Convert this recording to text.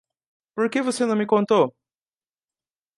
Por que você não me contou?